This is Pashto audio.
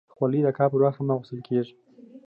خولۍ د کار پر وخت هم اغوستل کېږي.